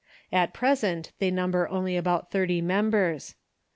At present they number only about thirty members.